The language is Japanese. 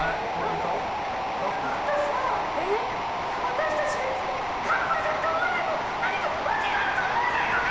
私たちがいつもカップルだって思われない何か訳があると思わないのね！